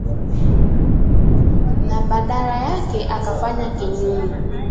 na badala yake akafanya kinyume